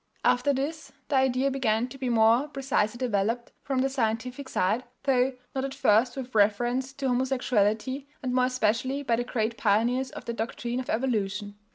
After this the idea began to be more precisely developed from the scientific side, though not at first with reference to homosexuality, and more especially by the great pioneers of the doctrine of Evolution.